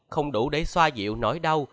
không đủ để xoa dịu nỗi đau